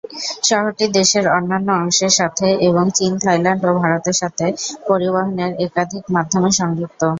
শহরটি দেশের অন্যান্য অংশের সাথে এবং চীন, থাইল্যান্ড ও ভারতের সাথে পরিবহণের একাধিক মাধ্যমে সংযুক্ত।